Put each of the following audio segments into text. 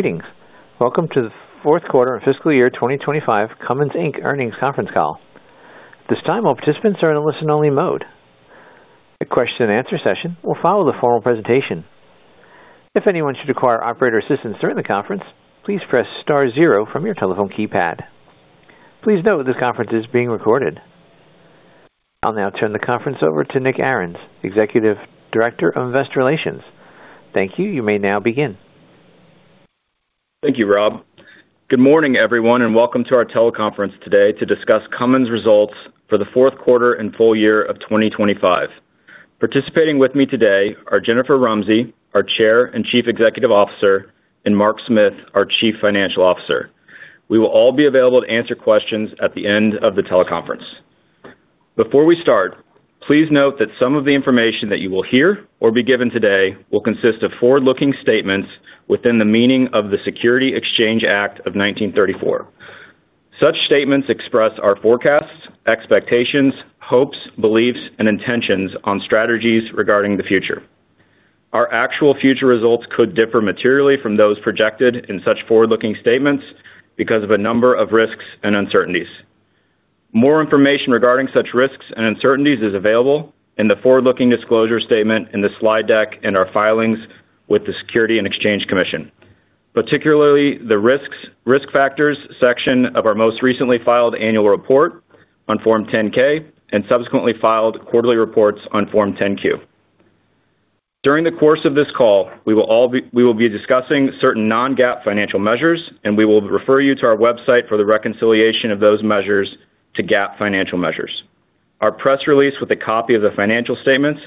Greetings. Welcome to the fourth quarter of fiscal year. At this time, all participants are in a listen-only mode. A question-and-answer session will follow the formal presentation. If anyone should require operator assistance during the conference, please press star zero from your telephone keypad. Please note this conference is being recorded. I'll now turn the conference over to Nick Arens, Executive Director of Investor Relations. Thank you. You may now begin. Thank you, Rob. Good morning, everyone, and welcome to our teleconference today to discuss Cummins results for the fourth quarter and full year of 2025. Participating with me today are Jennifer Rumsey, our Chair and Chief Executive Officer, and Mark Smith, our Chief Financial Officer. We will all be available to answer questions at the end of the teleconference. Before we start, please note that some of the information that you will hear or be given today will consist of forward-looking statements within the meaning of the Securities Exchange Act of 1934. Such statements express our forecasts, expectations, hopes, beliefs, and intentions on strategies regarding the future. Our actual future results could differ materially from those projected in such forward-looking statements because of a number of risks and uncertainties. More information regarding such risks and uncertainties is available in the forward-looking disclosure statement in the slide deck in our filings with the Securities and Exchange Commission, particularly the Risk Factors section of our most recently filed annual report on Form 10-K and subsequently filed quarterly reports on Form 10-Q. During the course of this call, we will be discussing certain non-GAAP financial measures, and we will refer you to our website for the reconciliation of those measures to GAAP financial measures. Our press release with a copy of the financial statements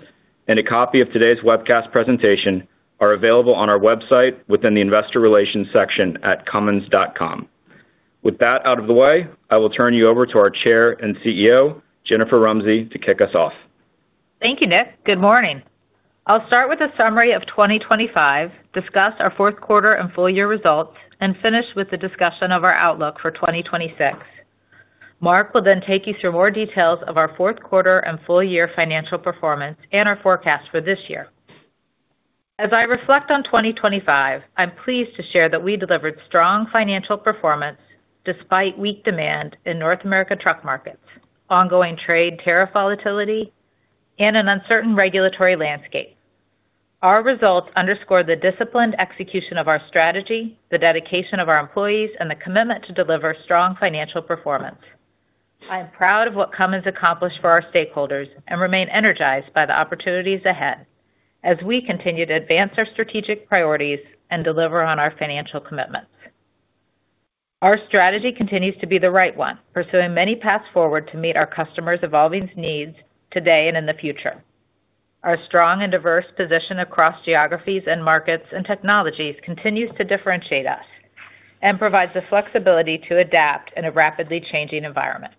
and a copy of today's webcast presentation are available on our website within the Investor Relations section at cummins.com. With that out of the way, I will turn you over to our Chair and CEO, Jennifer Rumsey, to kick us off. Thank you, Nick. Good morning. I'll start with a summary of 2025, discuss our fourth quarter and full year results, and finish with the discussion of our outlook for 2026. Mark will then take you through more details of our fourth quarter and full year financial performance and our forecast for this year. As I reflect on 2025, I'm pleased to share that we delivered strong financial performance despite weak demand in North America truck markets, ongoing trade tariff volatility, and an uncertain regulatory landscape. Our results underscore the disciplined execution of our strategy, the dedication of our employees, and the commitment to deliver strong financial performance. I am proud of what Cummins accomplished for our stakeholders and remain energized by the opportunities ahead as we continue to advance our strategic priorities and deliver on our financial commitments. Our strategy continues to be the right one, pursuing many paths forward to meet our customers' evolving needs today and in the future. Our strong and diverse position across geographies and markets and technologies continues to differentiate us and provides the flexibility to adapt in a rapidly changing environment.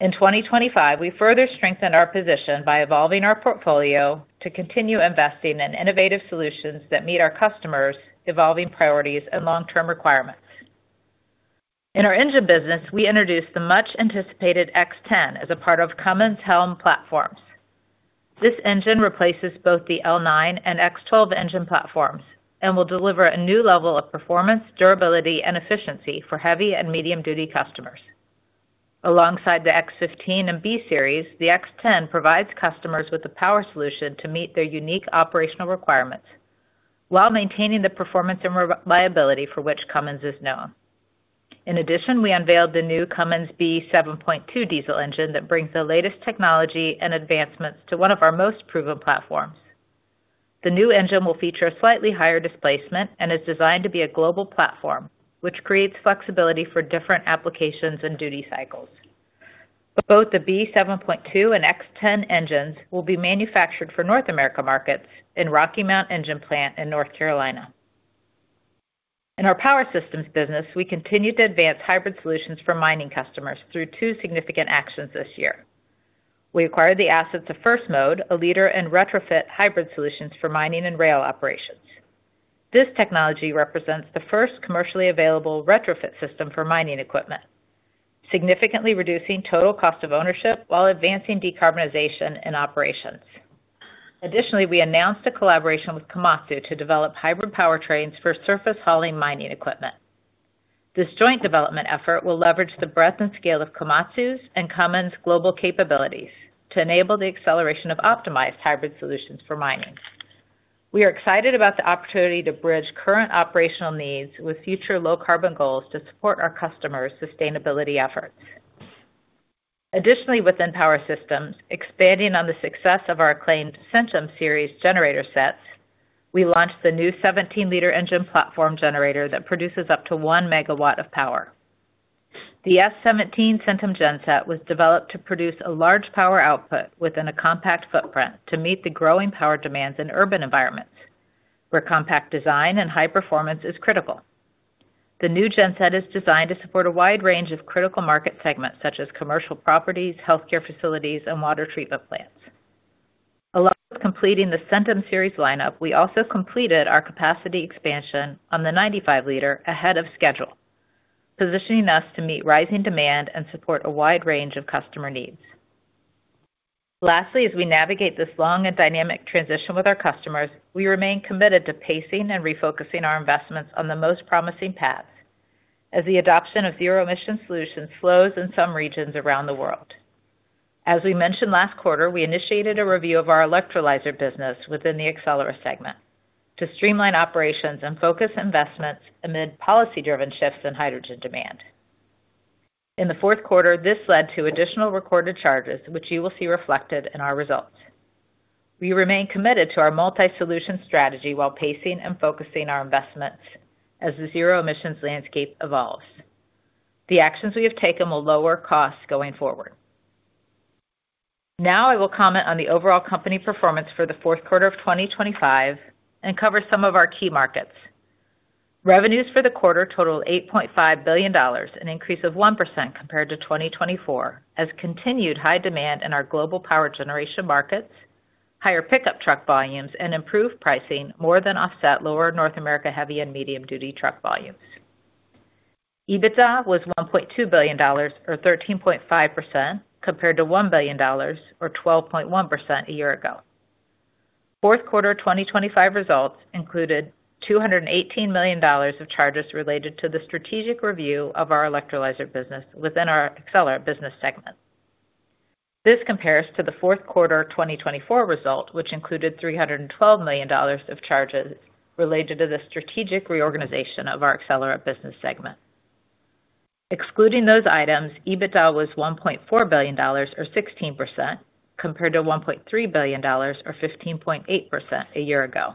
In 2025, we further strengthen our position by evolving our portfolio to continue investing in innovative solutions that meet our customers' evolving priorities and long-term requirements. In our engine business, we introduced the much-anticipated X10 as a part of Cummins HELM platforms. This engine replaces both the L9 and X12 engine platforms and will deliver a new level of performance, durability, and efficiency for heavy and medium-duty customers. Alongside the X15 and B Series, the X10 provides customers with a power solution to meet their unique operational requirements while maintaining the performance and reliability for which Cummins is known. In addition, we unveiled the new Cummins B7.2 diesel engine that brings the latest technology and advancements to one of our most proven platforms. The new engine will feature a slightly higher displacement and is designed to be a global platform, which creates flexibility for different applications and duty cycles. Both the B7.2 and X10 engines will be manufactured for North America markets in Rocky Mount Engine Plant in North Carolina. In our power systems business, we continue to advance hybrid solutions for mining customers through two significant actions this year. We acquired the assets of First Mode, a leader in retrofit hybrid solutions for mining and rail operations. This technology represents the first commercially available retrofit system for mining equipment, significantly reducing total cost of ownership while advancing decarbonization in operations. Additionally, we announced a collaboration with Komatsu to develop hybrid powertrains for surface hauling mining equipment. This joint development effort will leverage the breadth and scale of Komatsu's and Cummins' global capabilities to enable the acceleration of optimized hybrid solutions for mining. We are excited about the opportunity to bridge current operational needs with future low-carbon goals to support our customers' sustainability efforts. Additionally, within power systems, expanding on the success of our acclaimed Centum Series generator sets, we launched the new 17-liter engine platform generator that produces up to 1 MW of power. The S17 Centum genset was developed to produce a large power output within a compact footprint to meet the growing power demands in urban environments, where compact design and high performance is critical. The new genset is designed to support a wide range of critical market segments such as commercial properties, healthcare facilities, and water treatment plants. Along with completing the Centum Series lineup, we also completed our capacity expansion on the 95-liter ahead of schedule, positioning us to meet rising demand and support a wide range of customer needs. Lastly, as we navigate this long and dynamic transition with our customers, we remain committed to pacing and refocusing our investments on the most promising paths as the adoption of zero-emission solutions slows in some regions around the world. As we mentioned last quarter, we initiated a review of our electrolyzer business within the Accelera segment to streamline operations and focus investments amid policy-driven shifts in hydrogen demand. In the fourth quarter, this led to additional recorded charges, which you will see reflected in our results. We remain committed to our multi-solution strategy while pacing and focusing our investments as the zero-emissions landscape evolves. The actions we have taken will lower costs going forward. Now I will comment on the overall company performance for the fourth quarter of 2025 and cover some of our key markets. Revenues for the quarter totaled $8.5 billion, an increase of 1% compared to 2024, as continued high demand in our global power generation markets, higher pickup truck volumes, and improved pricing more than offset lower North America heavy and medium-duty truck volumes. EBITDA was $1.2 billion, or 13.5%, compared to $1 billion, or 12.1% a year ago. Fourth quarter 2025 results included $218 million of charges related to the strategic review of our electrolyzer business within our Accelera business segment. This compares to the fourth quarter 2024 result, which included $312 million of charges related to the strategic reorganization of our Accelera business segment. Excluding those items, EBITDA was $1.4 billion, or 16%, compared to $1.3 billion, or 15.8% a year ago.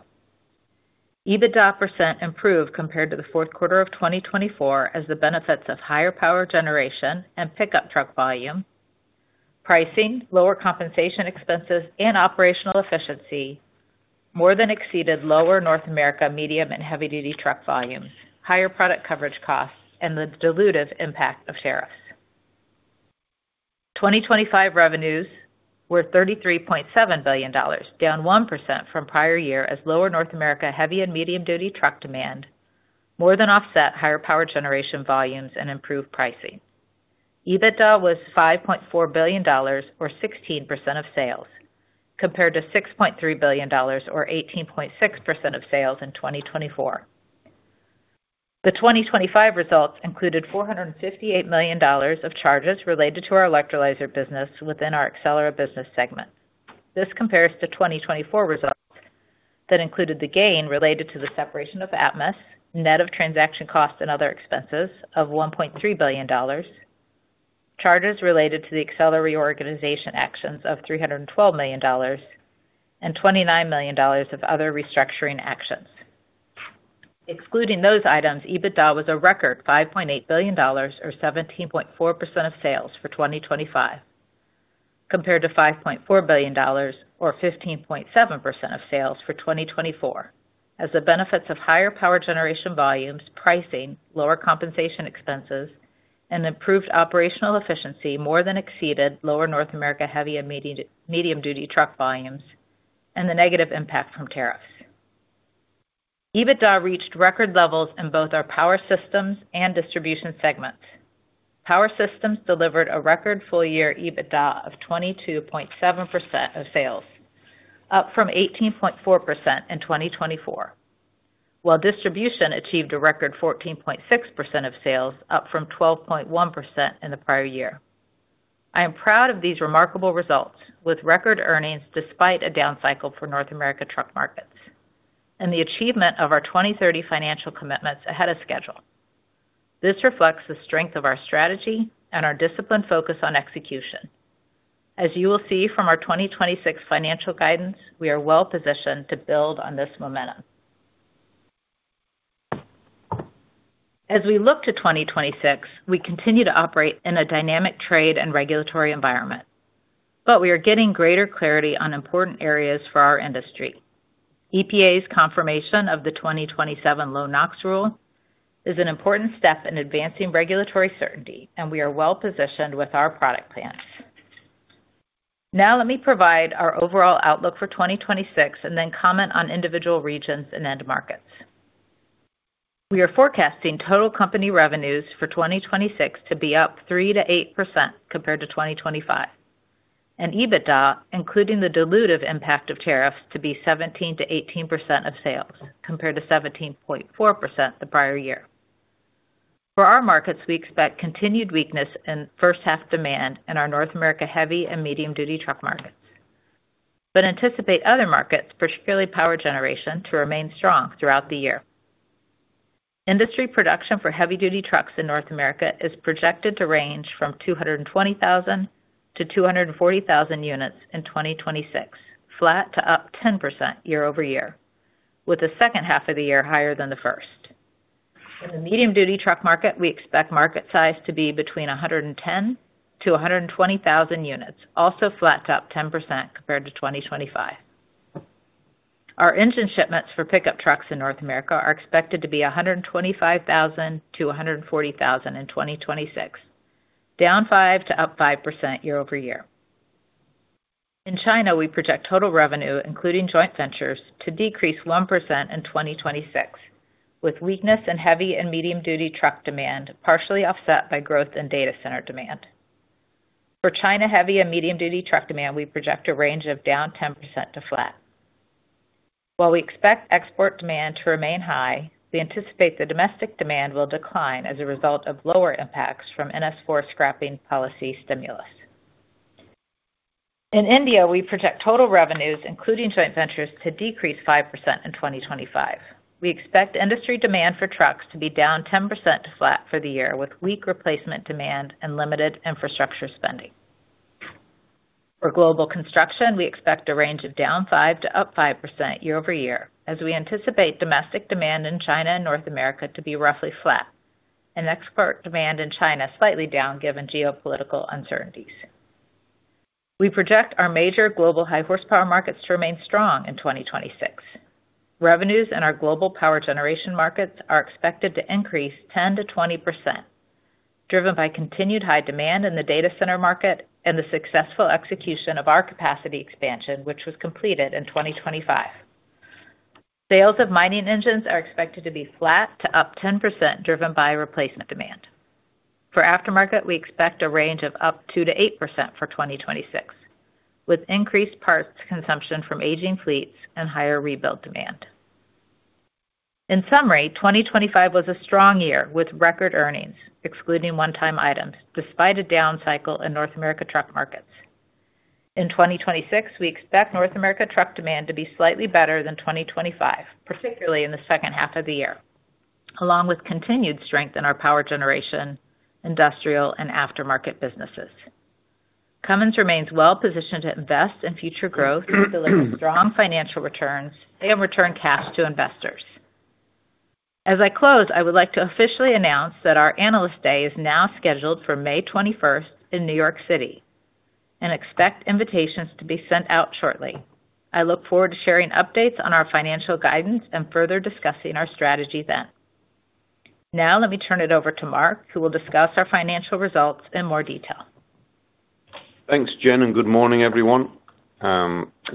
EBITDA percent improved compared to the fourth quarter of 2024 as the benefits of higher power generation and pickup truck volume, pricing, lower compensation expenses, and operational efficiency more than exceeded lower North America medium and heavy-duty truck volumes, higher product coverage costs, and the dilutive impact of tariffs. 2025 revenues were $33.7 billion, down 1% from prior year as lower North America heavy and medium-duty truck demand more than offset higher power generation volumes and improved pricing. EBITDA was $5.4 billion, or 16% of sales, compared to $6.3 billion, or 18.6% of sales in 2024. The 2025 results included $458 million of charges related to our electrolyzer business within our Accelera business segment. This compares to 2024 results that included the gain related to the separation of Atmus, net of transaction costs and other expenses, of $1.3 billion, charges related to the Accelera reorganization actions of $312 million, and $29 million of other restructuring actions. Excluding those items, EBITDA was a record $5.8 billion, or 17.4% of sales for 2025, compared to $5.4 billion, or 15.7% of sales for 2024 as the benefits of higher power generation volumes, pricing, lower compensation expenses, and improved operational efficiency more than exceeded lower North America heavy and medium-duty truck volumes, and the negative impact from tariffs. EBITDA reached record levels in both our power systems and distribution segments. Power systems delivered a record full year EBITDA of 22.7% of sales, up from 18.4% in 2024, while distribution achieved a record 14.6% of sales, up from 12.1% in the prior year. I am proud of these remarkable results with record earnings despite a downcycle for North America truck markets and the achievement of our 2030 financial commitments ahead of schedule. This reflects the strength of our strategy and our disciplined focus on execution. As you will see from our 2026 financial guidance, we are well positioned to build on this momentum. As we look to 2026, we continue to operate in a dynamic trade and regulatory environment, but we are getting greater clarity on important areas for our industry. EPA's confirmation of the 2027 Low NOx rule is an important step in advancing regulatory certainty, and we are well positioned with our product plans. Now let me provide our overall outlook for 2026 and then comment on individual regions and end markets. We are forecasting total company revenues for 2026 to be up 3%-8% compared to 2025, and EBITDA, including the dilutive impact of tariffs, to be 17%-18% of sales compared to 17.4% the prior year. For our markets, we expect continued weakness in first-half demand in our North America heavy and medium-duty truck markets but anticipate other markets, particularly power generation, to remain strong throughout the year. Industry production for heavy-duty trucks in North America is projected to range from 220,000-240,000 units in 2026, flat to up 10% year-over-year, with the second half of the year higher than the first. In the medium-duty truck market, we expect market size to be between 110,000-120,000 units, also flat to up 10% compared to 2025. Our engine shipments for pickup trucks in North America are expected to be 125,000-140,000 in 2026, down 5% to up 5% year-over-year. In China, we project total revenue, including joint ventures, to decrease 1% in 2026, with weakness in heavy and medium-duty truck demand partially offset by growth in data center demand. For China heavy and medium-duty truck demand, we project a range of down 10% to flat. While we expect export demand to remain high, we anticipate the domestic demand will decline as a result of lower impacts from NS4 scrapping policy stimulus. In India, we project total revenues, including joint ventures, to decrease 5% in 2025. We expect industry demand for trucks to be down 10% to flat for the year, with weak replacement demand and limited infrastructure spending. For global construction, we expect a range of down 5% to up 5% year-over-year as we anticipate domestic demand in China and North America to be roughly flat and export demand in China slightly down given geopolitical uncertainties. We project our major global high-horsepower markets to remain strong in 2026. Revenues in our global power generation markets are expected to increase 10%-20%, driven by continued high demand in the data center market and the successful execution of our capacity expansion, which was completed in 2025. Sales of mining engines are expected to be flat to up 10% driven by replacement demand. For aftermarket, we expect a range of up 2%-8% for 2026, with increased parts consumption from aging fleets and higher rebuild demand. In summary, 2025 was a strong year with record earnings, excluding one-time items, despite a downcycle in North America truck markets. In 2026, we expect North America truck demand to be slightly better than 2025, particularly in the second half of the year, along with continued strength in our power generation, industrial, and aftermarket businesses. Cummins remains well positioned to invest in future growth to deliver strong financial returns and return cash to investors. As I close, I would like to officially announce that our Analyst Day is now scheduled for May 21st in New York City and expect invitations to be sent out shortly. I look forward to sharing updates on our financial guidance and further discussing our strategy then. Now let me turn it over to Mark, who will discuss our financial results in more detail. Thanks, Jen, and good morning, everyone.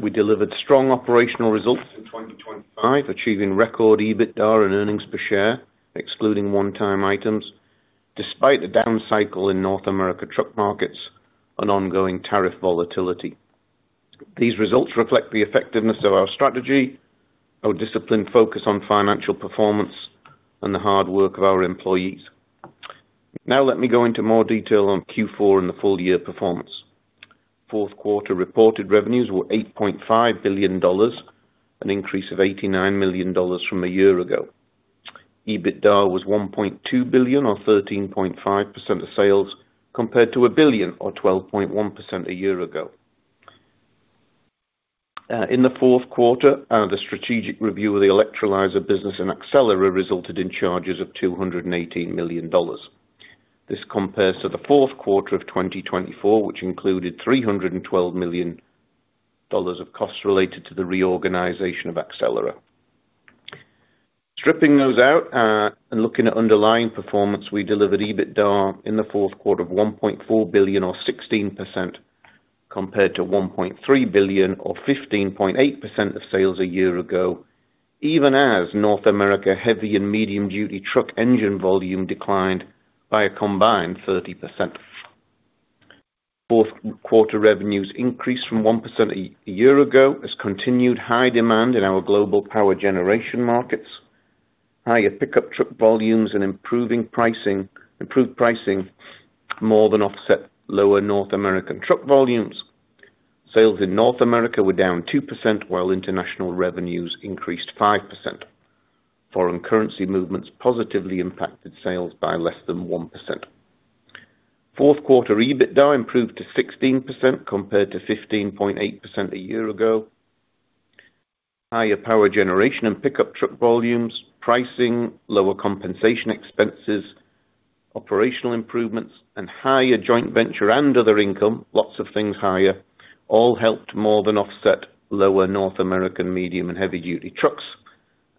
We delivered strong operational results in 2025, achieving record EBITDA and earnings per share, excluding one-time items, despite the downcycle in North America truck markets and ongoing tariff volatility. These results reflect the effectiveness of our strategy, our disciplined focus on financial performance, and the hard work of our employees. Now let me go into more detail on Q4 and the full year performance. Fourth quarter reported revenues were $8.5 billion, an increase of $89 million from a year ago. EBITDA was $1.2 billion, or 13.5% of sales, compared to $1 billion, or 12.1% a year ago. In the fourth quarter, the strategic review of the electrolyzer business and accelerate resulted in charges of $218 million. This compares to the fourth quarter of 2024, which included $312 million of costs related to the reorganization of Accelera. Stripping those out and looking at underlying performance, we delivered EBITDA in the fourth quarter of $1.4 billion, or 16%, compared to $1.3 billion, or 15.8% of sales a year ago, even as North America heavy and medium-duty truck engine volume declined by a combined 30%. Fourth quarter revenues increased from 1% a year ago as continued high demand in our global power generation markets, higher pickup truck volumes, and improved pricing more than offset lower North American truck volumes. Sales in North America were down 2% while international revenues increased 5%. Foreign currency movements positively impacted sales by less than 1%. Fourth quarter EBITDA improved to 16% compared to 15.8% a year ago. Higher power generation and pickup truck volumes, pricing, lower compensation expenses, operational improvements, and higher joint venture and other income, lots of things higher, all helped more than offset lower North American medium and heavy-duty trucks,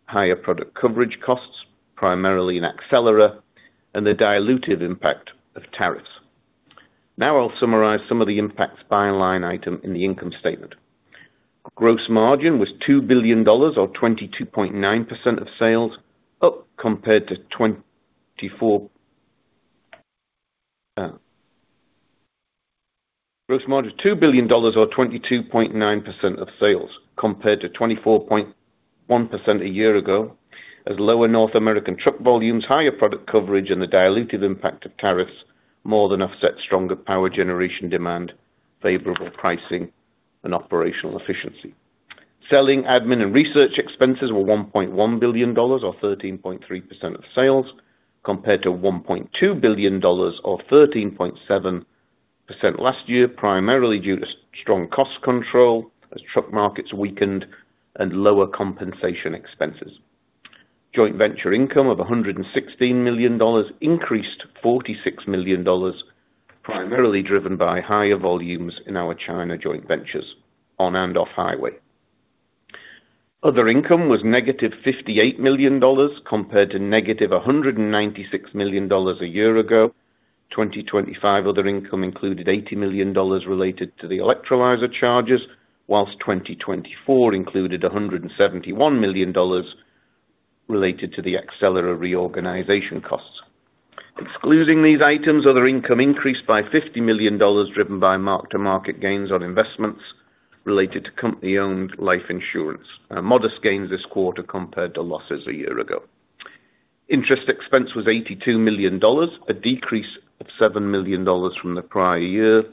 higher product coverage costs primarily in Accelera, and the dilutive impact of tariffs. Now I'll summarize some of the impacts by line item in the income statement. Gross margin was $2 billion, or 22.9% of sales, up compared to 2024 gross margin, $2 billion, or 22.9% of sales compared to 24.1% a year ago as lower North American truck volumes, higher product coverage, and the dilutive impact of tariffs more than offset stronger power generation demand, favorable pricing, and operational efficiency. Selling, admin, and research expenses were $1.1 billion, or 13.3% of sales compared to $1.2 billion, or 13.7% last year, primarily due to strong cost control as truck markets weakened and lower compensation expenses. Joint venture income of $116 million increased $46 million, primarily driven by higher volumes in our China joint ventures on and off highway. Other income was negative $58 million compared to negative $196 million a year ago. 2025 other income included $80 million related to the electrolyzer charges, while 2024 included $171 million related to the Accelera reorganization costs. Excluding these items, other income increased by $50 million driven by mark-to-market gains on investments related to company-owned life insurance, modest gains this quarter compared to losses a year ago. Interest expense was $82 million, a decrease of $7 million from the prior year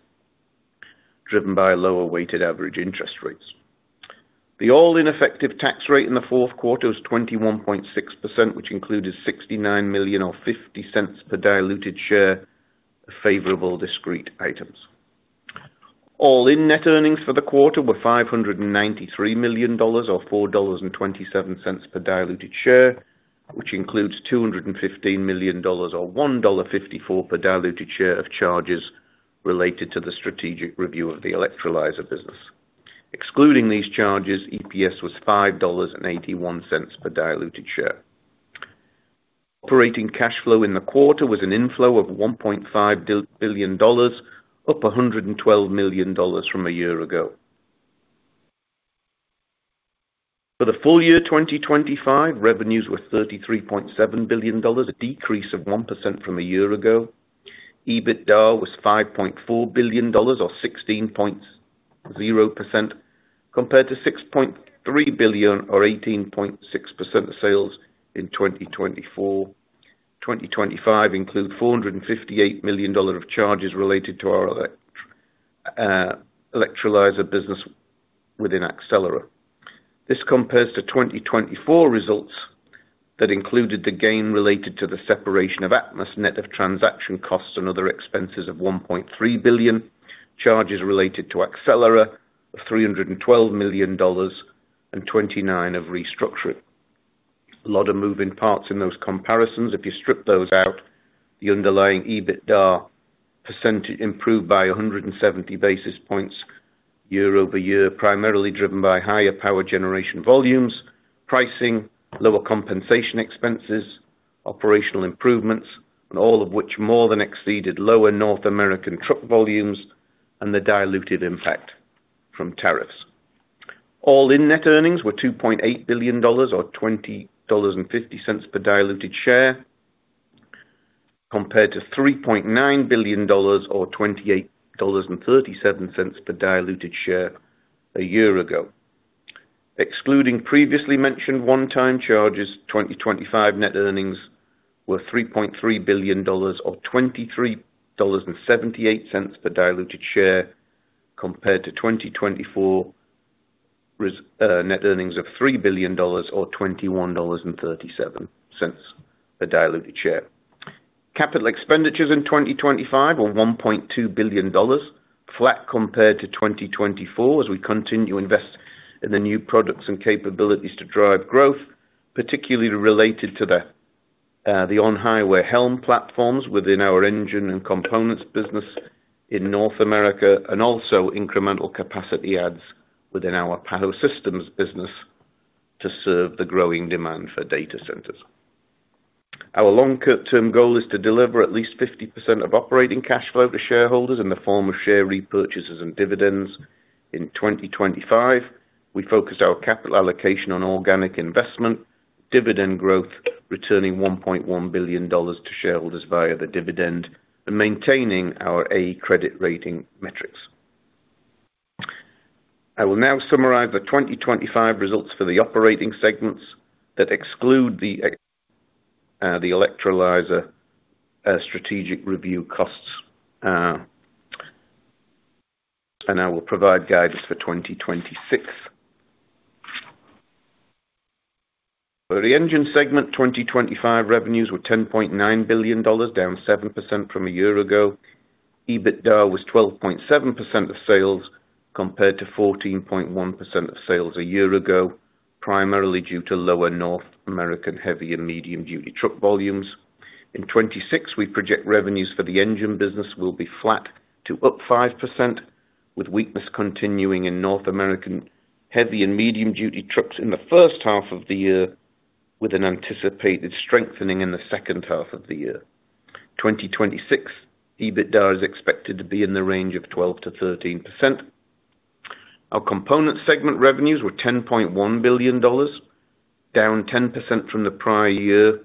driven by lower weighted average interest rates. The all-in effective tax rate in the fourth quarter was 21.6%, which included $69 million, or $0.50, per diluted share of favorable discrete items. All-in net earnings for the quarter were $593 million, or $4.27 per diluted share, which includes $215 million, or $1.54 per diluted share, of charges related to the strategic review of the electrolyzer business. Excluding these charges, EPS was $5.81 per diluted share. Operating cash flow in the quarter was an inflow of $1.5 billion, up $112 million from a year ago. For the full year 2025, revenues were $33.7 billion, a decrease of 1% from a year ago. EBITDA was $5.4 billion, or 16.0%, compared to $6.3 billion, or 18.6% of sales in 2024. 2025 includes $458 million of charges related to our electrolyzer business within Accelera. This compares to 2024 results that included the gain related to the separation of Atmus, net of transaction costs and other expenses of $1.3 billion, charges related to accelerate of $312 million, and $29 million of restructuring. A lot of moving parts in those comparisons. If you strip those out, the underlying EBITDA percentage improved by 170 basis points year-over-year, primarily driven by higher power generation volumes, pricing, lower compensation expenses, operational improvements, and all of which more than exceeded lower North American truck volumes and the diluted impact from tariffs. All-in net earnings were $2.8 billion, or $20.50 per diluted share compared to $3.9 billion or $28.37 per diluted share a year ago. Excluding previously mentioned one-time charges, 2025 net earnings were $3.3 billion, or $23.78 per diluted share compared to 2024 net earnings of $3 billion, or $21.37 per diluted share. Capital expenditures in 2025 were $1.2 billion, flat compared to 2024 as we continue to invest in the new products and capabilities to drive growth, particularly related to the on-highway HELM platforms within our Engine and Components business in North America and also incremental capacity adds within our Power Systems business to serve the growing demand for data centers. Our long-term goal is to deliver at least 50% of operating cash flow to shareholders in the form of share repurchases and dividends. In 2025, we focused our capital allocation on organic investment, dividend growth returning $1.1 billion to shareholders via the dividend, and maintaining our A credit rating metrics. I will now summarize the 2025 results for the operating segments that exclude the electrolyzer strategic review costs, and I will provide guidance for 2026. For the Engine segment, 2025 revenues were $10.9 billion, down 7% from a year ago. EBITDA was 12.7% of sales compared to 14.1% of sales a year ago, primarily due to lower North American heavy and medium-duty truck volumes. In 2026, we project revenues for the engine business will be flat to up 5%, with weakness continuing in North American heavy and medium-duty trucks in the first half of the year with an anticipated strengthening in the second half of the year. 2026 EBITDA is expected to be in the range of 12%-13%. Our component segment revenues were $10.1 billion, down 10% from the prior year,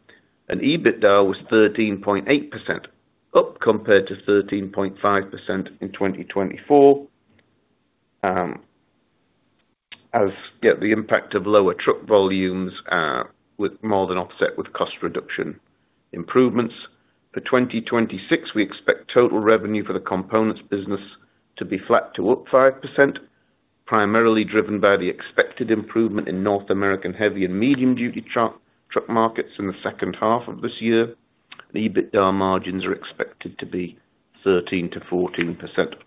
and EBITDA was 13.8%, up compared to 13.5% in 2024 as the impact of lower truck volumes more than offset with cost reduction improvements. For 2026, we expect total revenue for the components business to be flat to up 5%, primarily driven by the expected improvement in North American heavy and medium-duty truck markets in the second half of this year. EBITDA margins are expected to be 13%-14%. In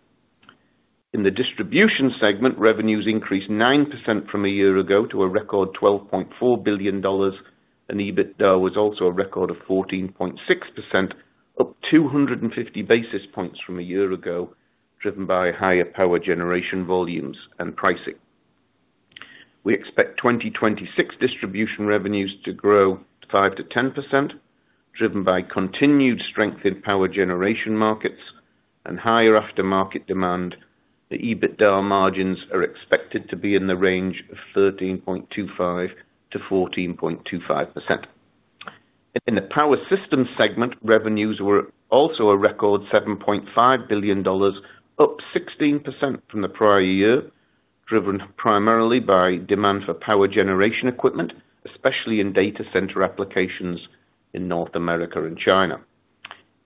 the distribution segment, revenues increased 9% from a year ago to a record $12.4 billion, and EBITDA was also a record of 14.6%, up 250 basis points from a year ago driven by higher power generation volumes and pricing. We expect 2026 distribution revenues to grow 5%-10%, driven by continued strength in power generation markets and higher aftermarket demand. The EBITDA margins are expected to be in the range of 13.25%-14.25%. In the Power Systems segment, revenues were also a record $7.5 billion, up 16% from the prior year driven primarily by demand for power generation equipment, especially in data center applications in North America and China.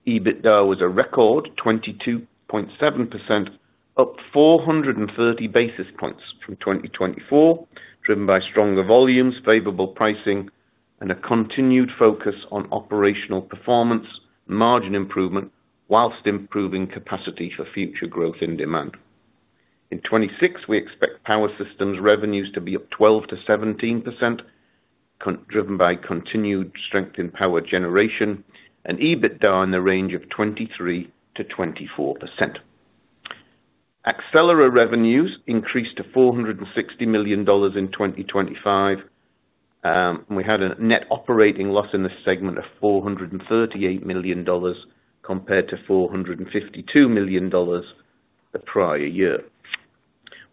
EBITDA was a record 22.7%, up 430 basis points from 2024 driven by stronger volumes, favorable pricing, and a continued focus on operational performance, margin improvement while improving capacity for future growth in demand. In 2026, we expect power systems revenues to be up 12%-17% driven by continued strength in power generation and EBITDA in the range of 23%-24%. Accelera revenues increased to $460 million in 2025, and we had a net operating loss in this segment of $438 million compared to $452 million the prior year.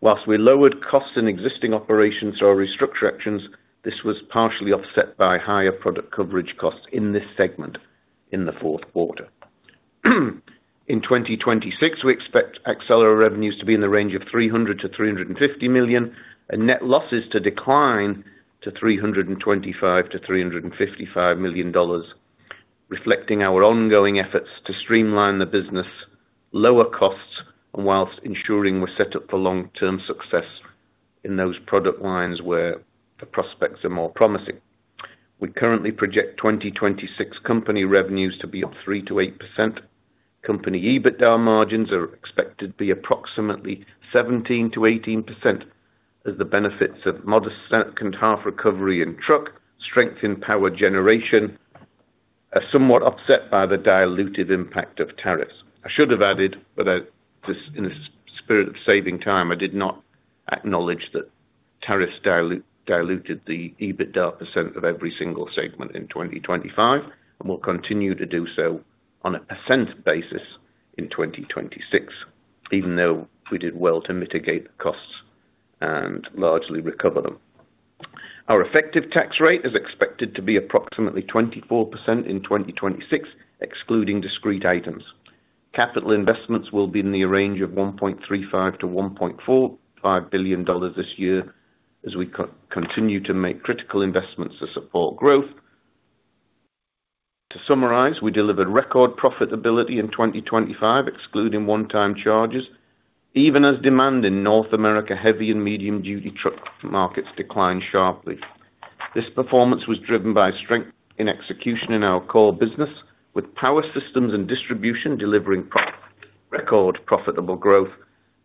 While we lowered costs in existing operations or restructure actions, this was partially offset by higher product coverage costs in this segment in the fourth quarter. In 2026, we expect Accelera revenues to be in the range of $300 million-$350 million and net losses to decline to $325 million-$355 million, reflecting our ongoing efforts to streamline the business, lower costs, and while ensuring we're set up for long-term success in those product lines where the prospects are more promising. We currently project 2026 company revenues to be up 3%-8%. Company EBITDA margins are expected to be approximately 17%-18% as the benefits of modest second-half recovery in truck, strength in power generation are somewhat offset by the diluted impact of tariffs. I should have added, but in the spirit of saving time, I did not acknowledge that tariffs diluted the EBITDA percent of every single segment in 2025 and will continue to do so on a percent basis in 2026, even though we did well to mitigate the costs and largely recover them. Our effective tax rate is expected to be approximately 24% in 2026, excluding discrete items. Capital investments will be in the range of $1.35 billion-$1.45 billion this year as we continue to make critical investments to support growth. To summarize, we delivered record profitability in 2025, excluding one-time charges, even as demand in North America heavy and medium-duty truck markets declined sharply. This performance was driven by strength in execution in our core business, with power systems and distribution delivering record profitable growth,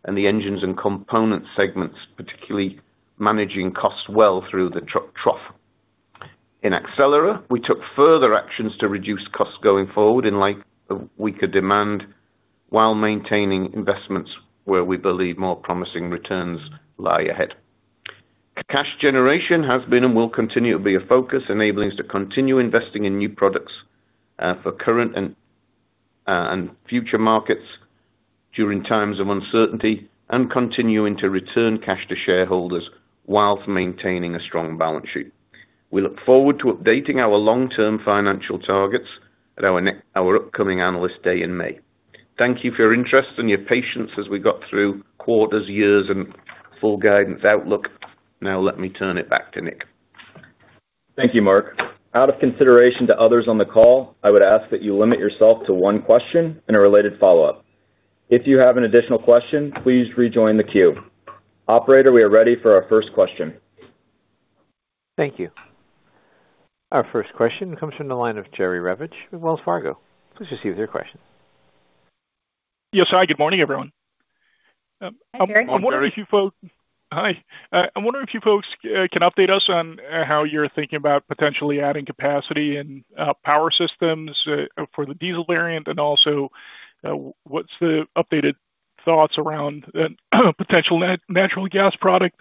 and the engines and components segments particularly managing costs well through the truck trough. In Accelera, we took further actions to reduce costs going forward in light of weaker demand while maintaining investments where we believe more promising returns lie ahead. Cash generation has been and will continue to be a focus, enabling us to continue investing in new products for current and future markets during times of uncertainty and continuing to return cash to shareholders whilst maintaining a strong balance sheet. We look forward to updating our long-term financial targets at our upcoming analyst day in May. Thank you for your interest and your patience as we got through quarters, years, and full guidance outlook. Now let me turn it back to Nick. Thank you, Mark. Out of consideration to others on the call, I would ask that you limit yourself to one question and a related follow-up. If you have an additional question, please rejoin the queue. Operator, we are ready for our first question. Thank you. Our first question comes from the line of Jerry Revich with Wells Fargo. Please proceed with your question. Yes, hi. Good morning, everyone. I'm wondering if you folks can update us on how you're thinking about potentially adding capacity in power systems for the diesel variant and also what's the updated thoughts around potential natural gas product?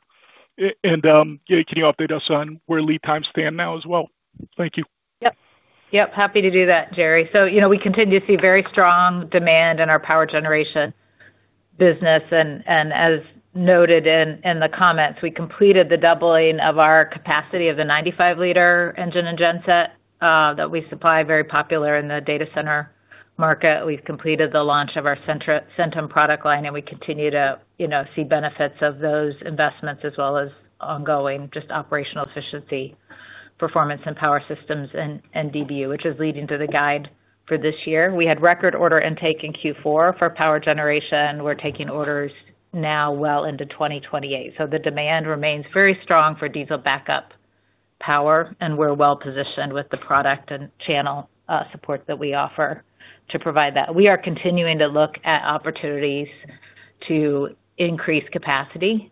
And can you update us on where lead times stand now as well? Thank you. Yep. Yep. Happy to do that, Jerry. So we continue to see very strong demand in our power generation business. And as noted in the comments, we completed the doubling of our capacity of the 95-liter engine and gen set that we supply, very popular in the data center market. We've completed the launch of our Centum product line, and we continue to see benefits of those investments as well as ongoing just operational efficiency, performance in power systems, and DBU, which is leading to the guide for this year. We had record order intake in Q4 for power generation, and we're taking orders now well into 2028. So the demand remains very strong for diesel backup power, and we're well positioned with the product and channel support that we offer to provide that. We are continuing to look at opportunities to increase capacity.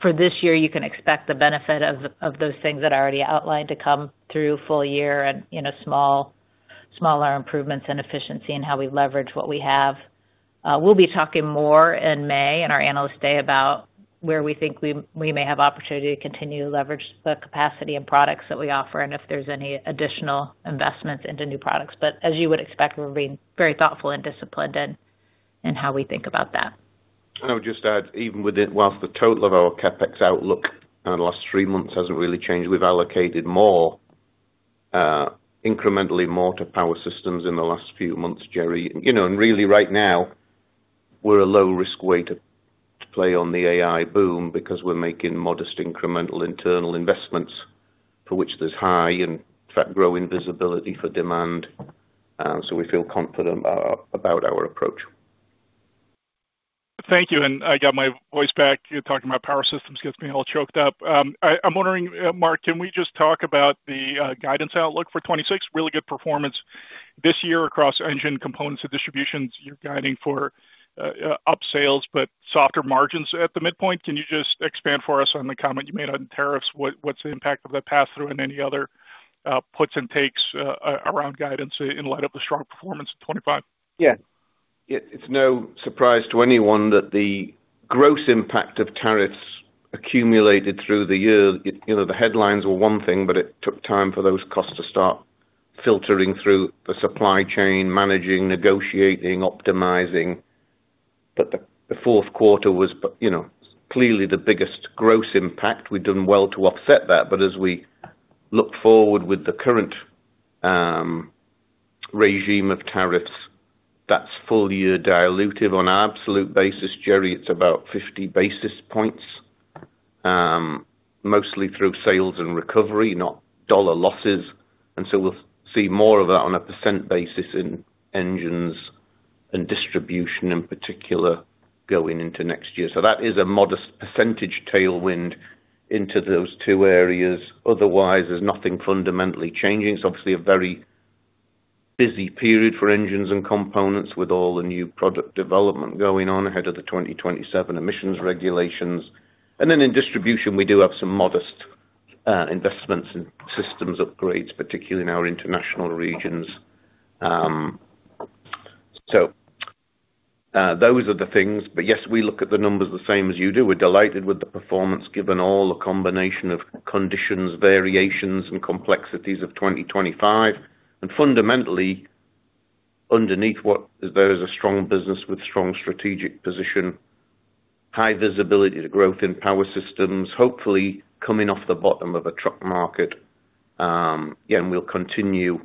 For this year, you can expect the benefit of those things that I already outlined to come through full year and smaller improvements in efficiency and how we leverage what we have. We'll be talking more in May in our Analyst Day about where we think we may have opportunity to continue to leverage the capacity and products that we offer and if there's any additional investments into new products. But as you would expect, we're being very thoughtful and disciplined in how we think about that. I would just add, even while the total of our CapEx outlook in the last three months hasn't really changed, we've allocated incrementally more to power systems in the last few months, Jerry. Really, right now, we're a low-risk way to play on the AI boom because we're making modest incremental internal investments for which there's high and, in fact, growing visibility for demand. We feel confident about our approach. Thank you. I got my voice back. Talking about power systems gets me all choked up. I'm wondering, Mark, can we just talk about the guidance outlook for 2026? Really good performance this year across engine, components, and distributions. You're guiding for upsales but softer margins at the midpoint. Can you just expand for us on the comment you made on tariffs? What's the impact of that pass-through and any other puts and takes around guidance in light of the strong performance in 2025? Yeah. It's no surprise to anyone that the gross impact of tariffs accumulated through the year. The headlines were one thing, but it took time for those costs to start filtering through the supply chain, managing, negotiating, optimizing. But the fourth quarter was clearly the biggest gross impact. We've done well to offset that. But as we look forward with the current regime of tariffs, that's full-year dilutive on an absolute basis. Jerry, it's about 50 basis points, mostly through sales and recovery, not dollar losses. And so we'll see more of that on a percent basis in engines and distribution in particular going into next year. So that is a modest percentage tailwind into those two areas. Otherwise, there's nothing fundamentally changing. It's obviously a very busy period for engines and components with all the new product development going on ahead of the 2027 emissions regulations. And then in distribution, we do have some modest investments in systems upgrades, particularly in our international regions. So those are the things. But yes, we look at the numbers the same as you do. We're delighted with the performance given all the combination of conditions, variations, and complexities of 2025. And fundamentally, underneath what there is a strong business with strong strategic position, high visibility to growth in power systems, hopefully coming off the bottom of a truck market. Yeah, and we'll continue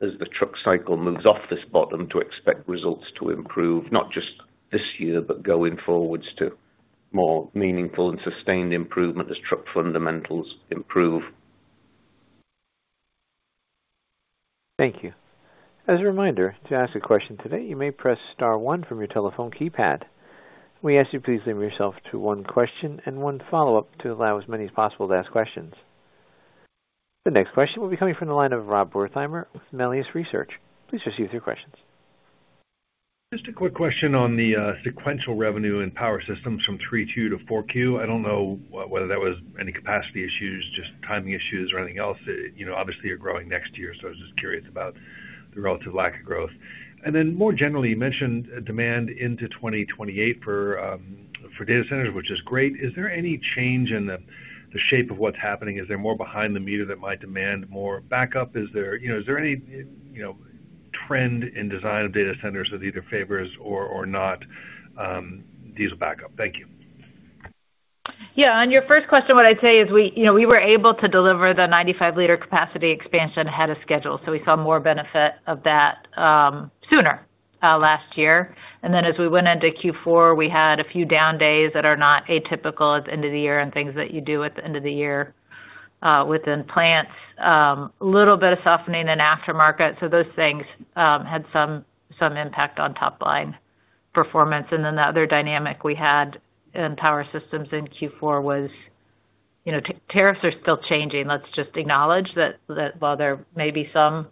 as the truck cycle moves off this bottom to expect results to improve, not just this year but going forwards to more meaningful and sustained improvement as truck fundamentals improve. Thank you. As a reminder, to ask a question today, you may press star one from your telephone keypad. We ask you to please limit yourself to one question and one follow-up to allow as many as possible to ask questions. The next question will be coming from the line of Rob Wertheimer with Melius Research. Please proceed with your questions. Just a quick question on the sequential revenue in power systems from 3Q to 4Q. I don't know whether that was any capacity issues, just timing issues, or anything else. Obviously, you're growing next year, so I was just curious about the relative lack of growth. And then more generally, you mentioned demand into 2028 for data centers, which is great. Is there any change in the shape of what's happening? Is there more behind the meter that might demand more backup? Is there any trend in design of data centers that either favors or not diesel backup? Thank you. Yeah. On your first question, what I'd say is we were able to deliver the 95-liter capacity expansion ahead of schedule. So we saw more benefit of that sooner last year. And then as we went into Q4, we had a few down days that are not atypical at the end of the year and things that you do at the end of the year within plants. A little bit of softening in aftermarket. So those things had some impact on top-line performance. And then the other dynamic we had in power systems in Q4 was tariffs are still changing. Let's just acknowledge that while there may be some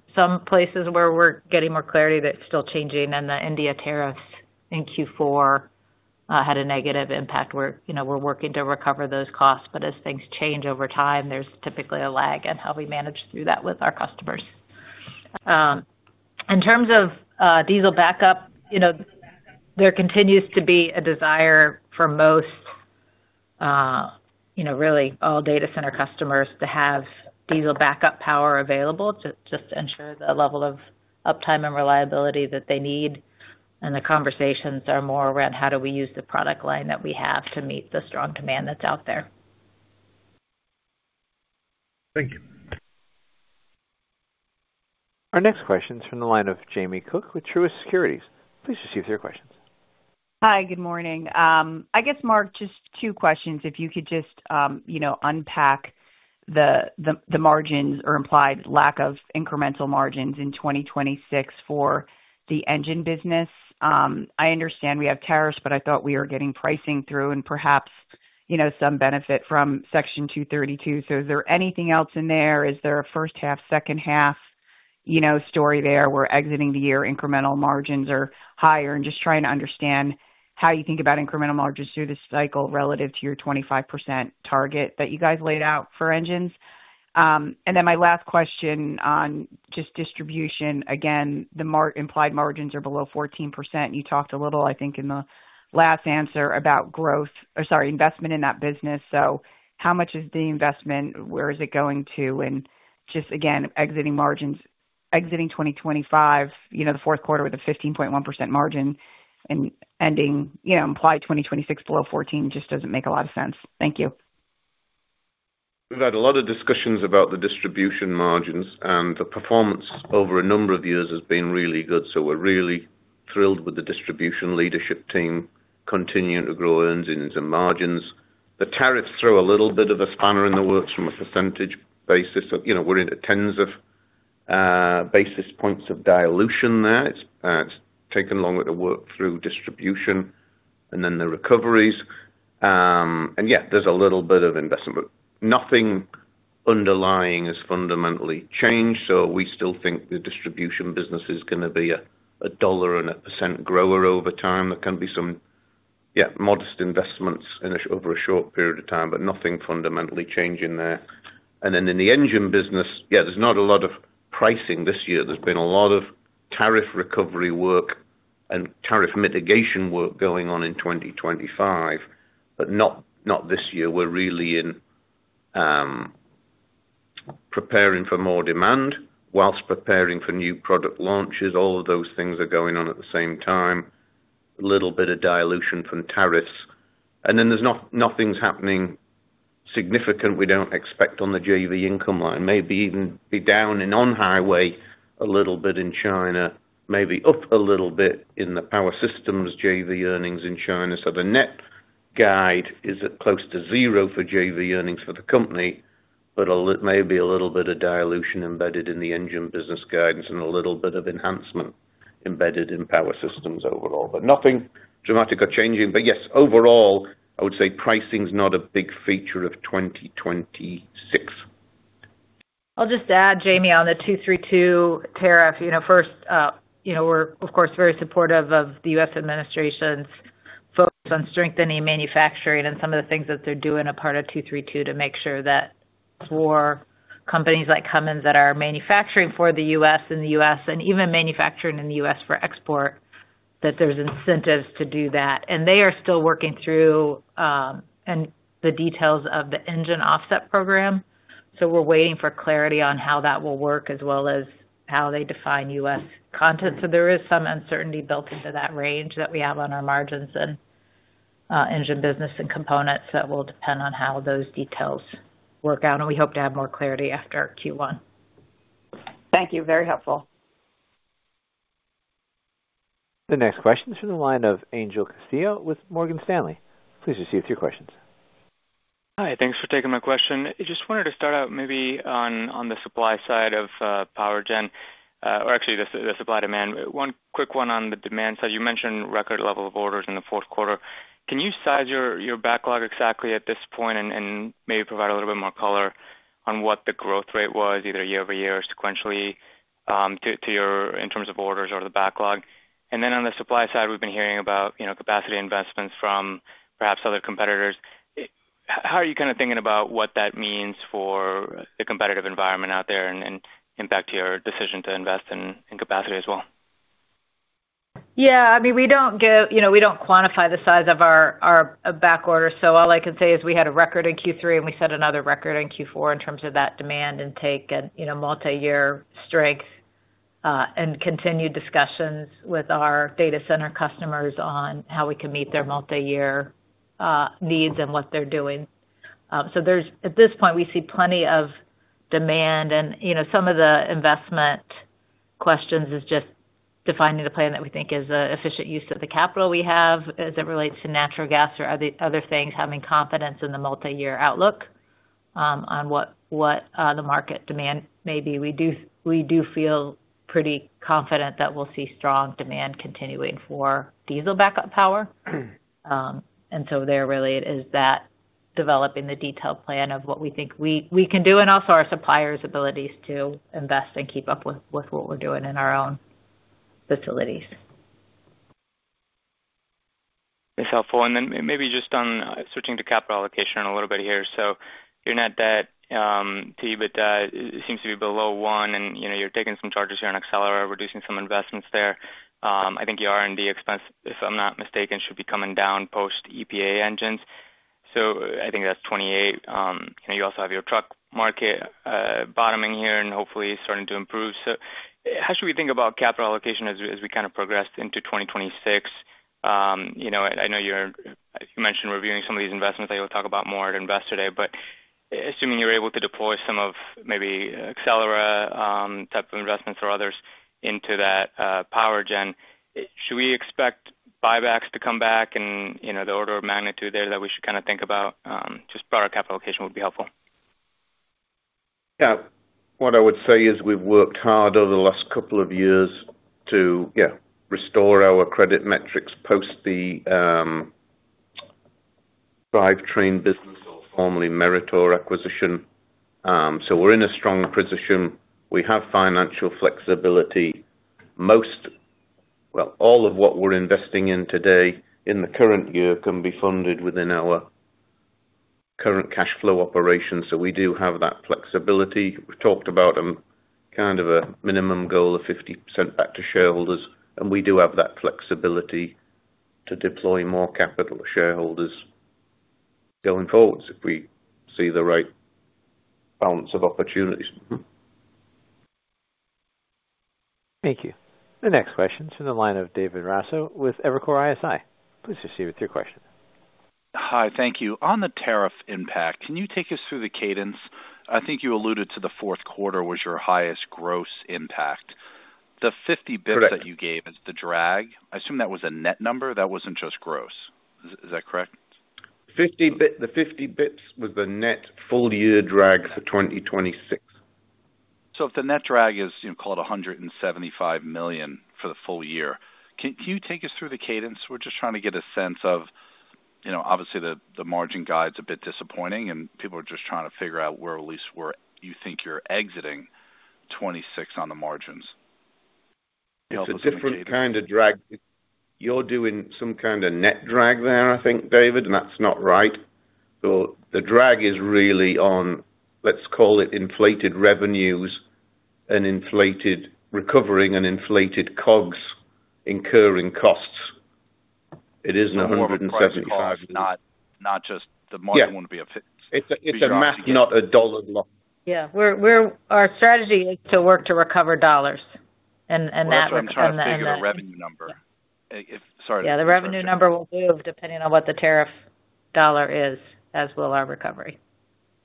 places where we're getting more clarity, they're still changing. And the India tariffs in Q4 had a negative impact. We're working to recover those costs. But as things change over time, there's typically a lag in how we manage through that with our customers. In terms of diesel backup, there continues to be a desire for most, really, all data center customers to have diesel backup power available just to ensure the level of uptime and reliability that they need. The conversations are more around how do we use the product line that we have to meet the strong demand that's out there. Thank you. Our next question's from the line of Jamie Cook with Truist Securities. Please proceed with your questions. Hi. Good morning. I guess, Mark, just two questions. If you could just unpack the margins or implied lack of incremental margins in 2026 for the engine business? I understand we have tariffs, but I thought we were getting pricing through and perhaps some benefit from Section 232. So is there anything else in there? Is there a first-half, second-half story there where exiting the year, incremental margins are higher? And just trying to understand how you think about incremental margins through this cycle relative to your 25% target that you guys laid out for engines. And then my last question on just distribution. Again, the implied margins are below 14%. You talked a little, I think, in the last answer about growth or sorry, investment in that business. So how much is the investment? Where is it going to? And just, again, exiting 2025, the fourth quarter with a 15.1% margin and ending implied 2026 below 14% just doesn't make a lot of sense. Thank you. We've had a lot of discussions about the distribution margins, and the performance over a number of years has been really good. So we're really thrilled with the distribution leadership team continuing to grow engines and margins. The tariffs throw a little bit of a spanner in the works from a percentage basis. We're in tens of basis points of dilution there. It's taken longer to work through distribution and then the recoveries. And yeah, there's a little bit of investment, but nothing underlying has fundamentally changed. So we still think the distribution business is going to be a dollar and a percent grower over time. There can be some, yeah, modest investments over a short period of time, but nothing fundamentally changing there. And then in the engine business, yeah, there's not a lot of pricing this year. There's been a lot of tariff recovery work and tariff mitigation work going on in 2025, but not this year. We're really preparing for more demand while preparing for new product launches. All of those things are going on at the same time. A little bit of dilution from tariffs. And then nothing's happening significant we don't expect on the JV income line. Maybe even be down in on-highway a little bit in China, maybe up a little bit in the power systems JV earnings in China. So the net guide is close to zero for JV earnings for the company, but maybe a little bit of dilution embedded in the engine business guidance and a little bit of enhancement embedded in power systems overall. But nothing dramatic or changing. But yes, overall, I would say pricing's not a big feature of 2026. I'll just add, Jamie, on the 232 tariff. First, we're, of course, very supportive of the U.S. administration's focus on strengthening manufacturing and some of the things that they're doing as part of 232 to make sure that for companies like Cummins that are manufacturing for the U.S. and even manufacturing in the U.S. for export, that there's incentives to do that. And they are still working through the details of the engine offset program. So we're waiting for clarity on how that will work as well as how they define U.S. content. So there is some uncertainty built into that range that we have on our margins and engine business and components that will depend on how those details work out. And we hope to have more clarity after Q1. Thank you. Very helpful. The next question's from the line of Angel Castillo with Morgan Stanley. Please proceed with your questions. Hi. Thanks for taking my question. I just wanted to start out maybe on the supply side of power gen or actually, the supply demand. One quick one on the demand side. You mentioned record level of orders in the fourth quarter. Can you size your backlog exactly at this point and maybe provide a little bit more color on what the growth rate was, either year-over-year or sequentially, in terms of orders or the backlog? And then on the supply side, we've been hearing about capacity investments from perhaps other competitors. How are you kind of thinking about what that means for the competitive environment out there and impact your decision to invest in capacity as well? Yeah. I mean, we don't quantify the size of our backorder. So all I can say is we had a record in Q3, and we set another record in Q4 in terms of that demand intake and multi-year strength and continued discussions with our data center customers on how we can meet their multi-year needs and what they're doing. So at this point, we see plenty of demand. And some of the investment questions is just defining the plan that we think is an efficient use of the capital we have as it relates to natural gas or other things, having confidence in the multi-year outlook on what the market demand may be. We do feel pretty confident that we'll see strong demand continuing for diesel backup power. And so there, really, it is that developing the detailed plan of what we think we can do and also our supplier's abilities to invest and keep up with what we're doing in our own facilities. That's helpful. Then maybe just switching to capital allocation a little bit here. You're not debt to EBITDA, but it seems to be below 1. You're taking some charges here on Accelera, reducing some investments there. I think your R&D expense, if I'm not mistaken, should be coming down post-EPA engines. I think that's 2028. You also have your truck market bottoming here and hopefully starting to improve. How should we think about capital allocation as we kind of progress into 2026? I know you mentioned reviewing some of these investments that you'll talk about more at Investor Day. Assuming you're able to deploy some of maybe Accelera type of investments or others into that power gen, should we expect buybacks to come back and the order of magnitude there that we should kind of think about? Just broader capital allocation would be helpful. Yeah. What I would say is we've worked hard over the last couple of years to, yeah, restore our credit metrics post the drivetrain business or formerly Meritor acquisition. So we're in a strong position. We have financial flexibility. Well, all of what we're investing in today in the current year can be funded within our current cash flow operations. So we do have that flexibility. We've talked about kind of a minimum goal of 50% back to shareholders. And we do have that flexibility to deploy more capital to shareholders going forwards if we see the right balance of opportunities. Thank you. The next question's from the line of David Raso with Evercore ISI. Please proceed with your question. Hi. Thank you. On the tariff impact, can you take us through the cadence? I think you alluded to the fourth quarter was your highest gross impact. The 50 basis points that you gave as the drag, I assume that was a net number. That wasn't just gross. Is that correct? The 50 basis points was the net full-year drag for 2026. So if the net drag is, call it, $175 million for the full year, can you take us through the cadence? We're just trying to get a sense of obviously, the margin guide's a bit disappointing, and people are just trying to figure out where at least you think you're exiting 2026 on the margins. It's a different kind of drag. You're doing some kind of net drag there, I think, David, and that's not right. So the drag is really on, let's call it, inflated revenues and inflated recovering and inflated COGS incurring costs. It isn't 175. Well, what's the COGS? Not just the margin wouldn't be a fix. Yeah. It's a math, not a dollar loss. Yeah. Our strategy is to work to recover dollars and that. What's the recovery? I'm trying to figure out the revenue number. Sorry. Yeah. The revenue number will move depending on what the tariff dollar is, as will our recovery.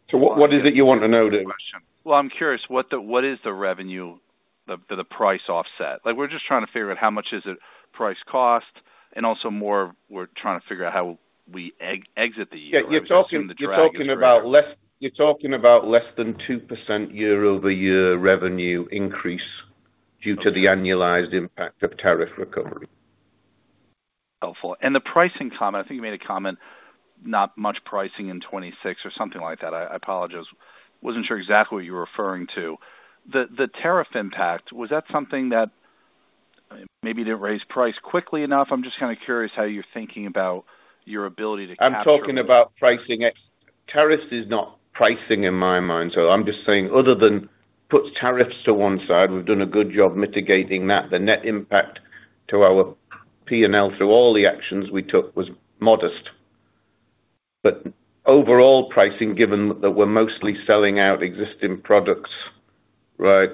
So what is it you want to know? Question. Well, I'm curious. What is the price offset? We're just trying to figure out how much is it price cost, and also more we're trying to figure out how we exit the year or seeing the drag. Yeah. You're talking about less than 2% year-over-year revenue increase due to the annualized impact of tariff recovery. Helpful. And the pricing comment, I think you made a comment, not much pricing in 2026 or something like that. I apologize. Wasn't sure exactly what you were referring to. The tariff impact, was that something that maybe didn't raise price quickly enough? I'm just kind of curious how you're thinking about your ability to capture. I'm talking about pricing. Tariffs is not pricing in my mind. So I'm just saying, other than put tariffs to one side, we've done a good job mitigating that. The net impact to our P&L through all the actions we took was modest. But overall pricing, given that we're mostly selling out existing products, right,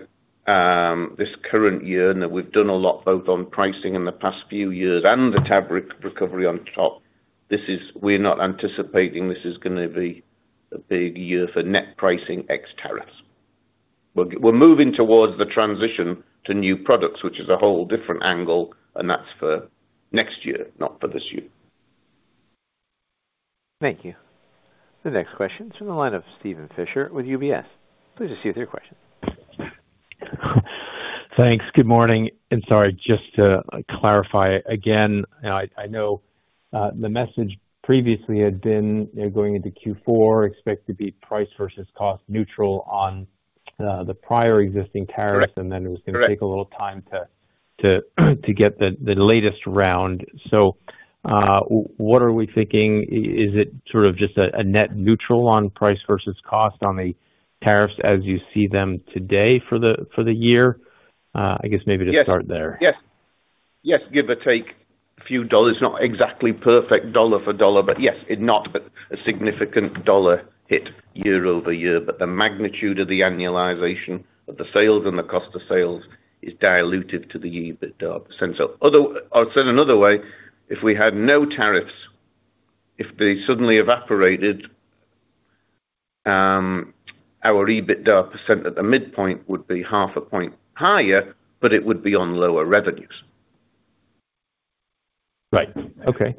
this current year and that we've done a lot both on pricing in the past few years and the TAV recovery on top, we're not anticipating this is going to be a big year for net pricing ex tariffs. We're moving toward the transition to new products, which is a whole different angle, and that's for next year, not for this year. Thank you. The next question's from the line of Steven Fisher with UBS. Please proceed with your question. Thanks. Good morning. Sorry, just to clarify again, I know the message previously had been going into Q4, expect to be price versus cost neutral on the prior existing tariffs, and then it was going to take a little time to get the latest round. So what are we thinking? Is it sort of just a net neutral on price versus cost on the tariffs as you see them today for the year? I guess maybe to start there. Yes. Yes. Yes. Give or take a few dollars. Not exactly perfect dollar for dollar, but yes, not a significant dollar hit year-over-year. But the magnitude of the annualization of the sales and the cost of sales is diluted to the EBITDA percent. So I'll say it another way. If we had no tariffs, if they suddenly evaporated, our EBITDA percent at the midpoint would be half a point higher, but it would be on lower revenues. Right. Okay.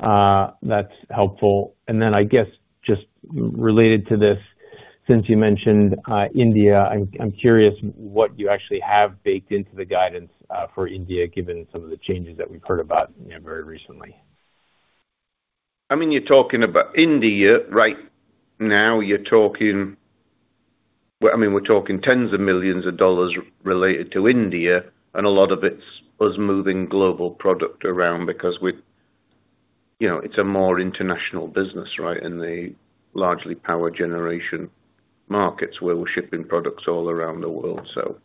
That's helpful. And then I guess just related to this, since you mentioned India, I'm curious what you actually have baked into the guidance for India given some of the changes that we've heard about very recently? I mean, you're talking about India. Right now, I mean, we're talking tens of millions related to India, and a lot of it's us moving global product around because it's a more international business, right, in the largely power generation markets where we're shipping products all around the world. So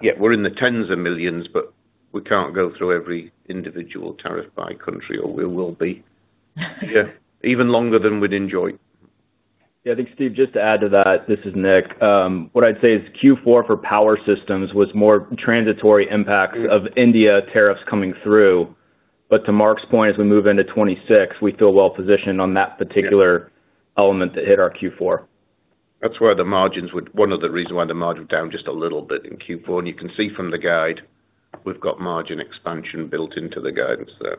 yeah, we're in the tens of millions, but we can't go through every individual tariff by country, or we will be, yeah, even longer than we'd enjoy. Yeah. I think, Steve, just to add to that, this is Nick. What I'd say is Q4 for power systems was more transitory impacts of India tariffs coming through. But to Mark's point, as we move into 2026, we feel well-positioned on that particular element that hit our Q4. That's why the margins would one of the reasons why the margin was down just a little bit in Q4. You can see from the guide, we've got margin expansion built into the guidance there.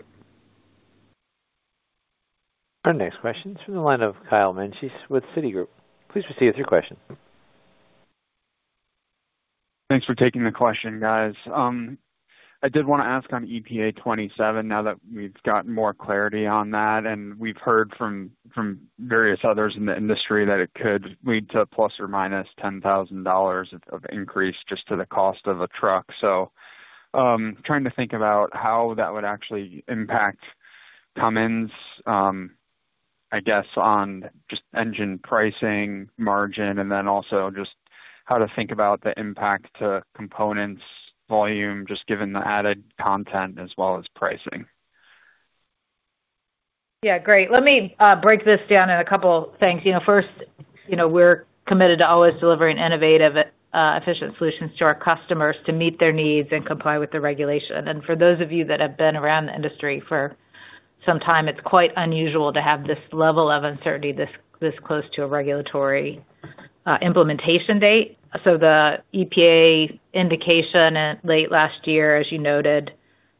Our next question's from the line of Kyle Menges with Citigroup. Please proceed with your question. Thanks for taking the question, guys. I did want to ask on EPA27 now that we've gotten more clarity on that. We've heard from various others in the industry that it could lead to plus or minus $10,000 of increase just to the cost of a truck. So trying to think about how that would actually impact Cummins, I guess, on just engine pricing, margin, and then also just how to think about the impact to components volume, just given the added content as well as pricing? Yeah. Great. Let me break this down in a couple of things. First, we're committed to always delivering innovative, efficient solutions to our customers to meet their needs and comply with the regulation. And for those of you that have been around the industry for some time, it's quite unusual to have this level of uncertainty this close to a regulatory implementation date. So the EPA indication late last year, as you noted,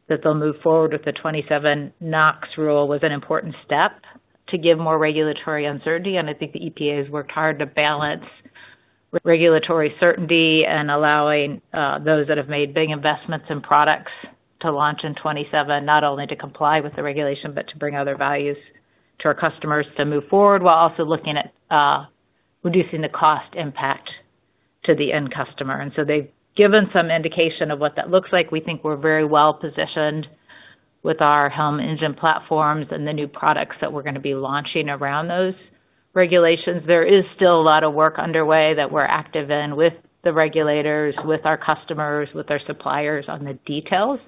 that they'll move forward with the '27 NOx rule was an important step to give more regulatory certainty. And I think the EPA has worked hard to balance regulatory certainty and allowing those that have made big investments in products to launch in 2027 not only to comply with the regulation but to bring other values to our customers to move forward while also looking at reducing the cost impact to the end customer. And so they've given some indication of what that looks like. We think we're very well-positioned with our HELM engine platforms and the new products that we're going to be launching around those regulations. There is still a lot of work underway that we're active in with the regulators, with our customers, with our suppliers on the details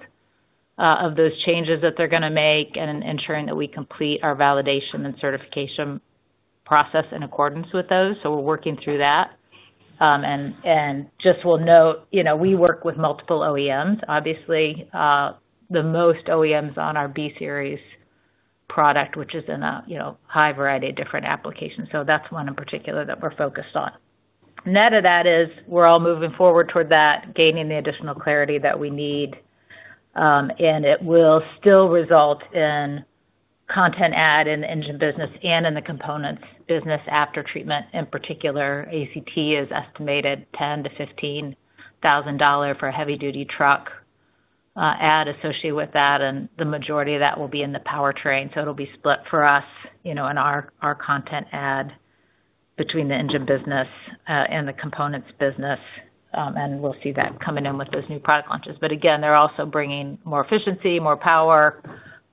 of those changes that they're going to make and ensuring that we complete our validation and certification process in accordance with those. So we're working through that. And just will note, we work with multiple OEMs. Obviously, the most OEMs on our B Series product, which is in a high variety of different applications. So that's one in particular that we're focused on. Net of that is we're all moving forward toward that, gaining the additional clarity that we need. It will still result in content add in the engine business and in the components business aftertreatment. In particular, ACT estimates $10,000-$15,000 for a heavy-duty truck add associated with that. The majority of that will be in the powertrain. It'll be split for us and our content add between the engine business and the components business. We'll see that coming in with those new product launches. But again, they're also bringing more efficiency, more power,